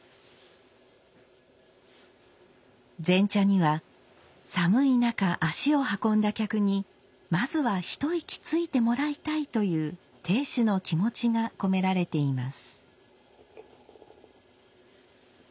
前茶には寒い中足を運んだ客にまずは一息ついてもらいたいという亭主の気持ちが込められています。